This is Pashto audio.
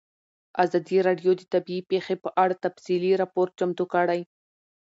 ازادي راډیو د طبیعي پېښې په اړه تفصیلي راپور چمتو کړی.